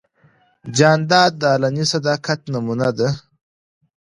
جانداد د علني صداقت نمونه ده.